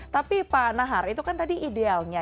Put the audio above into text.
tapi pak nahar itu kan tadi idealnya